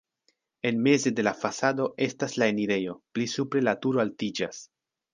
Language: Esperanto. En meze de la fasado estas la enirejo, pli supre la turo altiĝas.